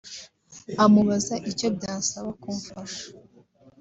amubaza icyo byasaba kumfasha